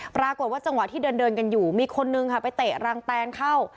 ปรากฏว่าจังหวะที่เดินกันอยู่มีคนนึงค่ะไปเตะรังแตนเข้า